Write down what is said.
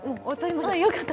よかった。